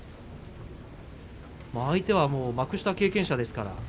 相手は幕下経験者ですから。